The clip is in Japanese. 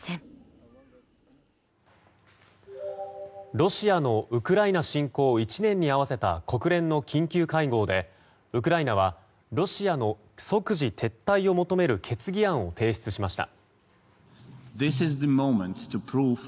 ロシアのウクライナ侵攻１年に合わせた国連の緊急会合でウクライナはロシアの即時撤退を求める決議案を提出しました。